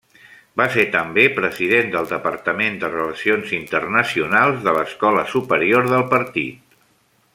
Va ser també president del departament de Relacions Internacionals de l'Escola Superior del Partit.